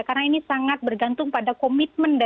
karena ini sangat bergantung pada komitmen